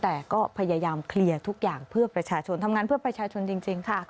แต่ก็พยายามเคลียร์ทุกอย่างเพื่อประชาชนทำงานเพื่อประชาชนจริงค่ะ